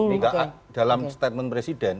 maka dalam statement presiden